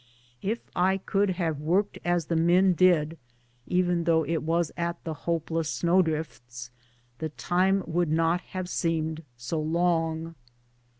If I could have worked as the men did, even though it was at the hopeless snow drifts, the time would not have seemed so long.